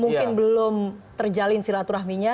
mungkin belum terjalin silaturahminya